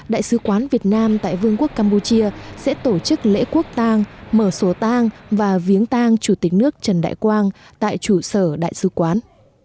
đại sứ quán việt nam sẽ tổ chức lễ quốc tang mở sổ tang và viếng tang chủ tịch nước trần đại quang tại chủ sở đại sứ quán